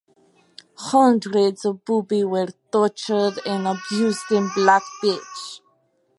Hundreds of Bubi were tortured and abused in Black Beach.